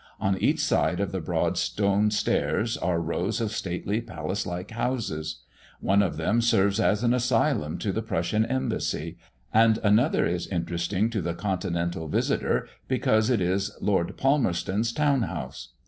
On each side of the broad stone stairs are rows of stately palace like houses. One of them serves as an asylum to the Prussian Embassy, and another is interesting to the continental visitor because it is Lord Palmerston's town house.